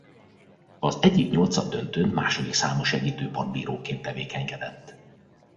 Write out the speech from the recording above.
Az egyik nyolcaddöntőn második számú segítő partbíróként tevékenykedett.